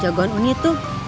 jagoan ini tuh